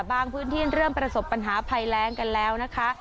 พื้นที่เริ่มประสบปัญหาภัยแรงกันแล้วนะคะ